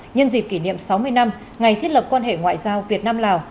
nhân dịp kỷ niệm sáu mươi năm ngày thiết lập quan hệ ngoại giao việt nam lào